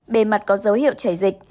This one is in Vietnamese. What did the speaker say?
bề mặt có dấu hiệu chảy dịch